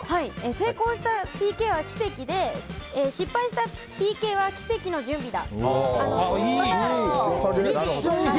成功したＰＫは奇跡で失敗したＰＫは奇跡の準備だ。